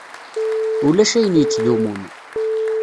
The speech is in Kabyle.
Ulac ayen yettdumun.